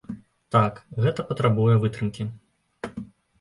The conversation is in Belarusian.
Так, гэта патрабуе вытрымкі.